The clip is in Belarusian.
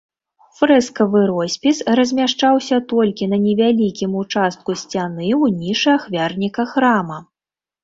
Фрэскавы роспіс размяшчаўся толькі на невялікім участку сцяны ў нішы ахвярніка храма.